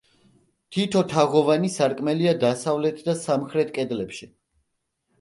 თითო თაღოვანი სარკმელია დასავლეთ და სამხრეთ კედლებში.